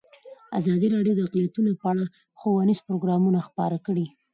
ازادي راډیو د اقلیتونه په اړه ښوونیز پروګرامونه خپاره کړي.